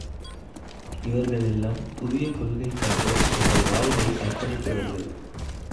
இவர்களெல்லாம் புதிய கொள்கைக்காகத் தங்கள் வாழ்வை அர்ப்பணித்தவர்கள்.